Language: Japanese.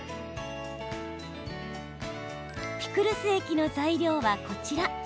ピクルス液の材料はこちら。